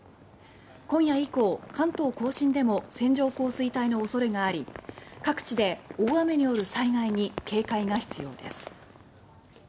今夜以降、関東甲信でも線状降水帯の恐れがあり各地で大雨による災害に警戒が必要です。